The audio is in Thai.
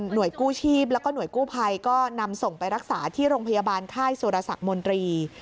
กู้ชีพแล้วก็หน่วยกู้ภัยก็นำส่งไปรักษาที่โรงพยาบาลค่ายสุรสักมนตรี